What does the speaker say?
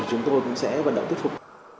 chúng tôi cũng sẽ vận động tiếp tục